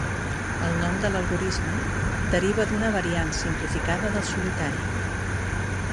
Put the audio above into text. El nom de l'algorisme deriva d'una variant simplificada del solitari.